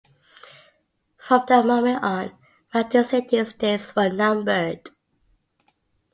From that moment on, Mountain City's days were numbered.